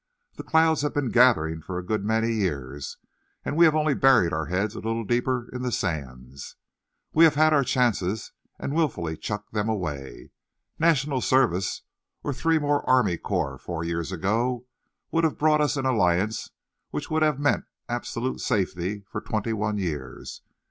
The clouds have been gathering for a good many years, and we have only buried our heads a little deeper in the sands. We have had our chances and wilfully chucked them away. National Service or three more army corps four years ago would have brought us an alliance which would have meant absolute safety for twenty one years.